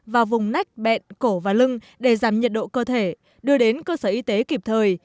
vào vùng nách bẹn cổ và lưng để giảm nhiệt độ cơ thể đưa đến cơ sở y tế kịp thời